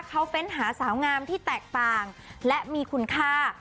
เขาเฟ้นหาสาวงามที่แตกต่างและมีคุณค่า